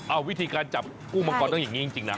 อ้าววิธีการจับกุ้งมังก้อนต้องอย่างงี้จริงจริงนะ